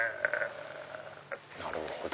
なるほど。